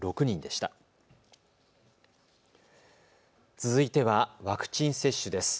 続いてはワクチン接種です。